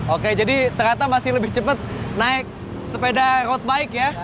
oke jadi ternyata masih lebih cepat naik sepeda road bike ya